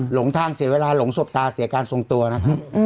หลงทางเสียเวลาหลงสบตาเสียการทรงตัวนะครับ